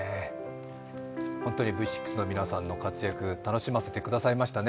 本当にＶ６の皆さん、活躍楽しませていただきましたね。